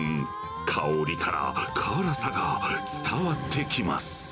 香りから辛さが伝わってきます。